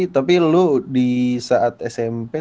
tapi lu disaat smp